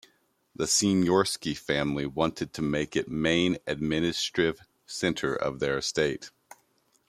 The Sieniawski family wanted to make it main administrative center of their estates.